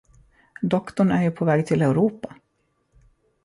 Doktorn är ju på väg till Europa?